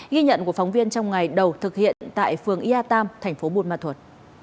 ghi nhận của phóng viên trong ngày đầu thực hiện tại phường ia tam thành phố bùn ma thuật